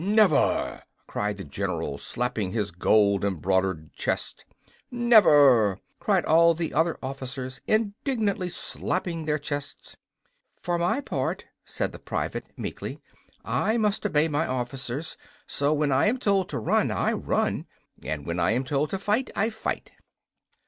"Never!" cried the general, slapping his gold embroidered chest. "Never!" cried all the other officers, indignantly slapping their chests. "For my part," said the private, meekly, "I must obey my officers; so when I am told to run, I run; and when I am told to fight, I fight."